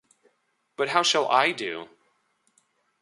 But how shall I do?